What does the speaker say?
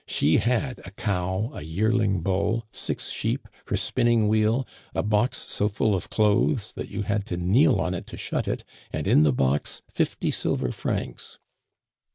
" She had a cow, a yearling bull, six sheep, her spinning wheel, a box so full of clothes that you had to kneel on it to shut it, and in the box fifty silver francs.